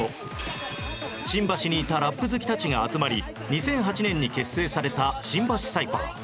新橋にいたラップ好きたちが集まり２００８年に結成された新橋サイファー